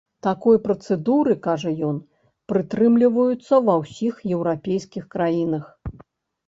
Такой працэдуры, кажа ён, прытрымліваюцца ва ўсіх еўрапейскіх краінах.